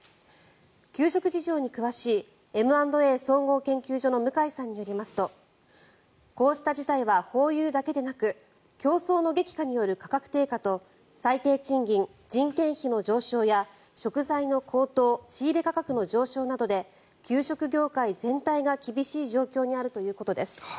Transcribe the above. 給食事情に詳しいＭ＆Ａ総合研究所の向井さんによりますとこうした事態はホーユーだけでなく競争の激化による価格低下と最低賃金人件費の上昇や食材の高騰仕入れ価格の上昇などで給食業界全体が厳しい状況にあるということです。